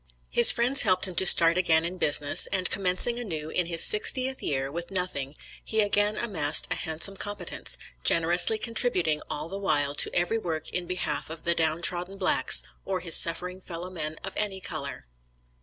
His friends helped him to start again in business, and commencing anew in his sixtieth year with nothing, he again amassed a handsome competence, generously contributing all the while to every work in behalf of the down trodden blacks or his suffering fellow men of any color.